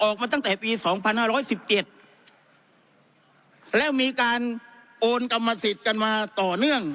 ออกมาตั้งแต่ปีสองพันห้าร้อยสิบเจ็ดแล้วมีการโอนกรรมสิทธิ์กันมาต่อเนื่อง